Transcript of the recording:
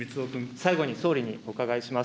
最後に総理にお伺いします。